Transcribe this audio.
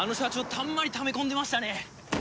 たんまりためこんでましたね。